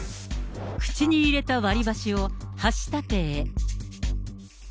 口に入れた割り箸を、箸立てへ。